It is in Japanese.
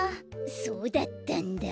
そうだったんだ。